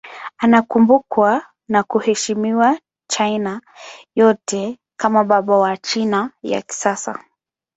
Anakumbukwa na kuheshimiwa China yote kama baba wa China ya kisasa.